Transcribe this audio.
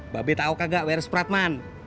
ba be tau kagak w r supratman